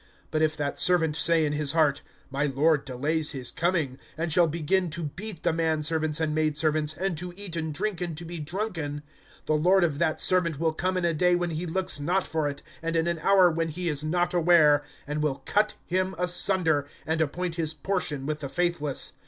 (45)But if that servant say in his heart: My lord delays his coming; and shall begin to beat the men servants and maidservants, and to eat and drink, and to be drunken; (46)the lord of that servant will come in a day when he looks not for it, and in an hour when he is not aware, and will cut him asunder, and appoint his portion with the faithless.